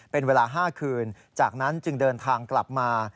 เป็นเวลา๕คืนจากนั้นจึงเดินทางกลับมา